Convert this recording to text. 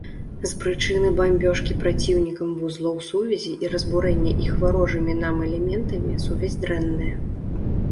З прычыны бамбёжкі праціўнікам вузлоў сувязі і разбурэння іх варожымі нам элементамі сувязь дрэнная.